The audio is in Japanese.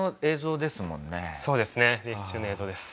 そうですねレース中の映像です。